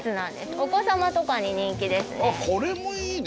お子様とかに人気ですね。